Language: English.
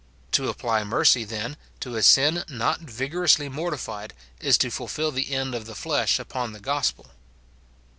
To apply mercy, then, to a sin not vigorously mortified is to fulfil the end of the flesh upon the gospel.